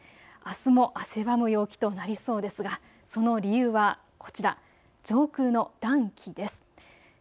あすも汗ばむ陽気となりそうですが、その理由はこちら、上空の暖気です。